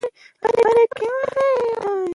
افغانستان د بدخشان په برخه کې نړیوال شهرت لري.